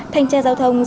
thanh tra giao thông